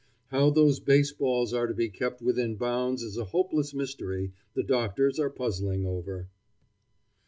How those base balls are to be kept within bounds is a hopeless mystery the doctors are puzzling over.